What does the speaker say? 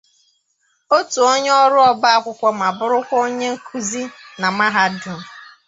otu onye ọrụ ọba akwụkwọ ma bụrụkwa onye nkụzi na mahadum